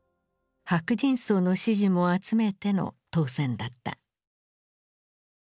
白人層の支持も集めての当選だった。